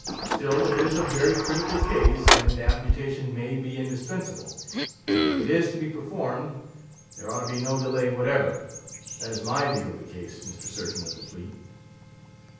Still, it is a very critical case, and amputation may be indispensable; and if it is to be performed, there ought to be no delay whatever. That is my view of the case, Mr. Surgeon of the Fleet."